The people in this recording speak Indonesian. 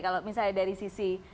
kalau misalnya dari sisi